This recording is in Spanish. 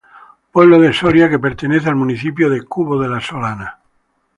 Pueblo de la de Soria que pertenece al municipio de Cubo de la Solana.